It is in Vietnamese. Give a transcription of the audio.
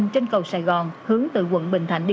trên cầu sài gòn hướng từ quận bình thạnh đi quận hai